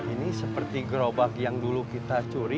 ini seperti gerobak yang dulu kita curi